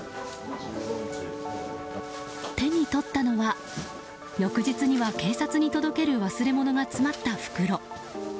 手に取ったのは翌日には警察に届ける忘れ物が詰まった袋。